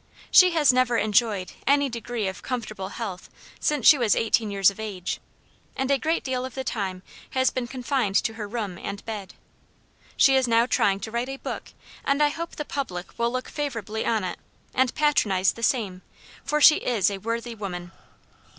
She has never enjoyed any degree of comfortable health since she was eighteen years of age, and a great deal of the time has been confined to her room and bed. She is now trying to write a book; and I hope the public will look favorably on it, and patronize the same, for she is a worthy woman.